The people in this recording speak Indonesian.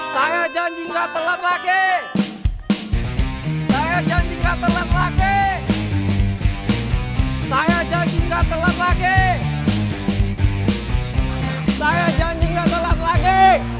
saya janji gak telat lagi